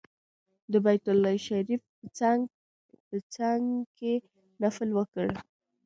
د بیت الله شریف په څنګ کې نفل وکړ.